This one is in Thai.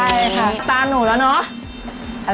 ใช่ค่ะตาหนูแล้วเนาะ